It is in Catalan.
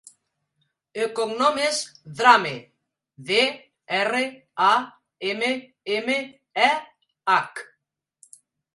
El cognom és Drammeh: de, erra, a, ema, ema, e, hac.